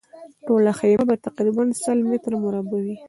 ټوله خیمه به تقریباً سل متره مربع وي.